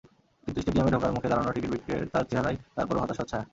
কিন্তু স্টেডিয়ামে ঢোকার মুখে দাঁড়ানো টিকিট বিক্রেতার চেহারায় তারপরও হতাশার ছায়া।